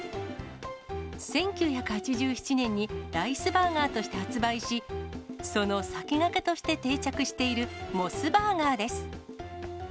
１９８７年に、ライスバーガーとして発売し、その先駆けとして定着しているモスバーガーです。